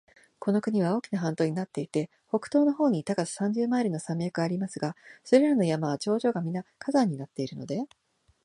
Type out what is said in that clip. この国は大きな半島になっていて、北東の方に高さ三十マイルの山脈がありますが、それらの山は頂上がみな火山になっているので、